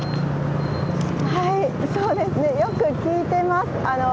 そうですねよく聴いています。